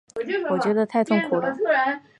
我觉得太痛苦了